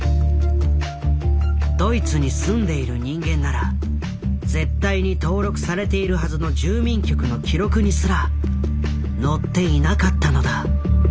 ドイツに住んでいる人間なら絶対に登録されているはずの住民局の記録にすら載っていなかったのだ。